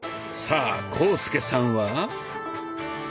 さあ浩介さんは？